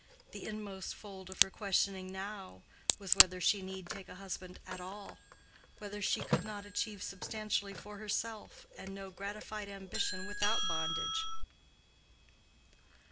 The inmost fold of her questioning now was whether she need take a husband at all—whether she could not achieve substantially for herself and know gratified ambition without bondage.